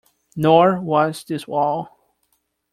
Nor was this all.